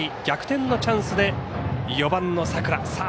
逆転のチャンスで４番の佐倉。